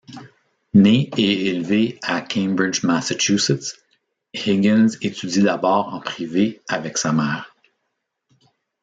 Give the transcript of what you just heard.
Né et élevé à Cambridge, Massachusetts, Higgins étudie d'abord en privé avec sa mère.